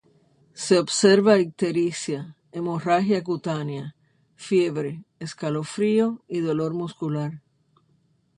Se observa ictericia, hemorragia cutánea, fiebre, escalofrío y dolor muscular.